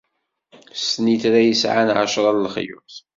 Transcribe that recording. S snitra yesɛan ɛecra n lexyuḍ.